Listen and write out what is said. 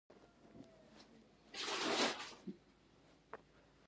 انګلیسي د خپل مهارت ښودلو وسیله ده